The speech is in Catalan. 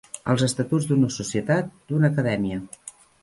Els estatuts d'una societat, d'una acadèmia.